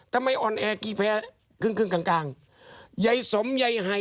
แล้วก็ไปซื้อหนังสือนิติศาสตร์มาอ่านภาษากฎหมาย